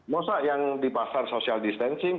masa yang di pasar social distancing